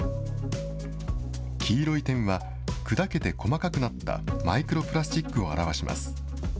黄色い点は砕けて細かくなったマイクロプラスチックを表します。